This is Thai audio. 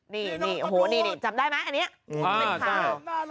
นี่นี่โหนี่จำได้มะอันนี้อ่าจั้น